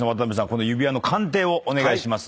この指輪の鑑定をお願いします。